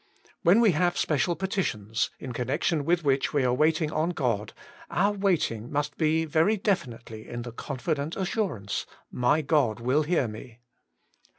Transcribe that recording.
When we have special petitions, in connection vdth which we are waiting on God, our waiting must be very definitely in the confident assurance :* My God will hear me.'